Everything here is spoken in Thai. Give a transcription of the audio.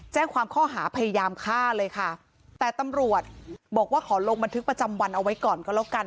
แจ้งความข้อหาพยายามฆ่าเลยค่ะแต่ตำรวจบอกว่าขอลงบันทึกประจำวันเอาไว้ก่อนก็แล้วกัน